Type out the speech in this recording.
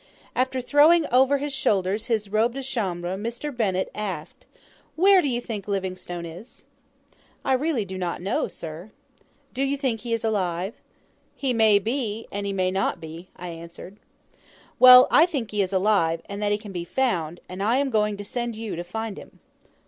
After throwing over his shoulders his robe de chambre Mr. Bennett asked, "Where do you think Livingstone is?" "I really do not know, sir." "Do you think he is alive?" "He may be, and he may not be," I answered. "Well, I think he is alive, and that he can be found, and I am going to send you to find him."